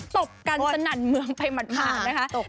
ตบกันสนั่นเมืองไปหมาดนะคะ